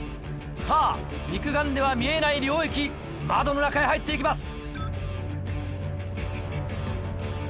さぁ肉眼では見えない領域窓の中へ入って行きます。